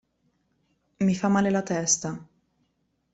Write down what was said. Mi fa male la testa.